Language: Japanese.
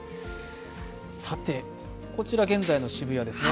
こちら現在の渋谷ですね。